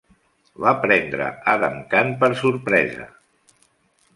Va prendre Adham Khan per sorpresa.